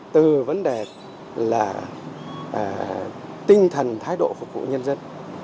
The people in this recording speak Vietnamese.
từ vấn đề là tinh thần thái độ phục vụ nhân dân